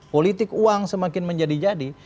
politik uang semakin menjadi jadi